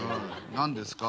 何ですか？